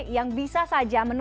yang bisa saja menuntutkan data